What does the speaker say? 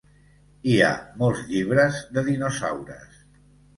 Hi ha molts llibres de dinosaures.